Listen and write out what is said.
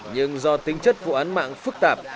nhưng do tính chất vụ án mạng phức tạp